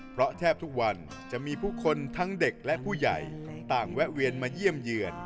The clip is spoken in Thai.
เพราะแทบทุกวันจะมีผู้คนทั้งเด็กและผู้ใหญ่ต่างแวะเวียนมาเยี่ยมเยือน